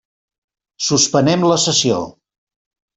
Suspenem la sessió.